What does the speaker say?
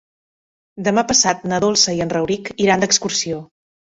Demà passat na Dolça i en Rauric iran d'excursió.